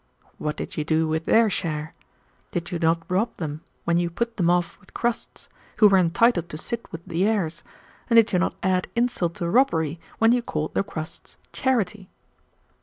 What did you do with their share? Did you not rob them when you put them off with crusts, who were entitled to sit with the heirs, and did you not add insult to robbery when you called the crusts charity?